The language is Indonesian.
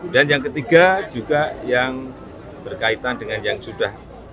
dan yang ketiga juga yang berkaitan dengan yang sudah